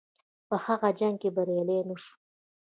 په هغه جنګ کې بریالی نه شو.